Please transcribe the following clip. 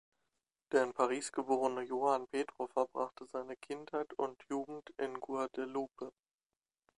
Der in Paris geborene Johan Petro verbrachte seine Kindheit und Jugend in Guadeloupe.